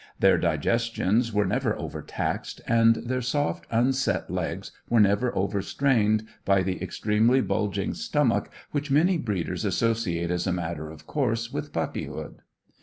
Their digestions were never overtaxed, and their soft, unset legs were never overstrained by the extremely bulging stomach which many breeders associate as a matter of course with puppyhood.